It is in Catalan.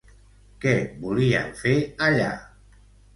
Què volien fer allà?